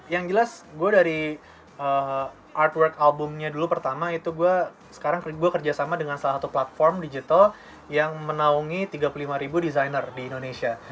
yang jelas gue dari artwork albumnya dulu pertama itu gue sekarang gue kerjasama dengan salah satu platform digital yang menaungi tiga puluh lima ribu desainer di indonesia